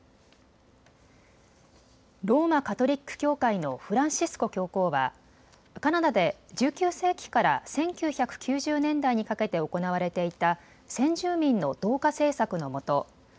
ローマ・カトリック教会のフランシスコ教皇はカナダで１９世紀から１９９０年代にかけて行われていた先住民の同化政策のもと